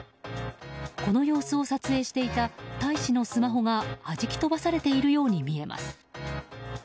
この様子を撮影していた大使のスマホがはじき飛ばされているように見えます。